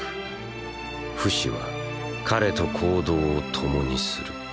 フシは彼と行動を共にする。